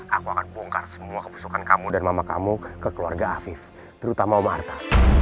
aku akan bongkar semua kepusukan kamu dan mama kamu ke keluarga afif terutama barta